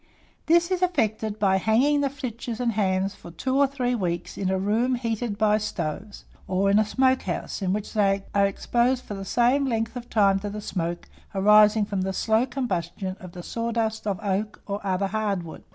This is effected by hanging the flitches and hams for 2 or 3 weeks in a room heated by stoves, or in a smoke house, in which they are exposed for the same length of time to the smoke arising from the slow combustion of the sawdust of oak or other hard wood.